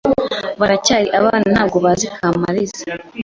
baracyari abana ntabwo bazi Kamaliza,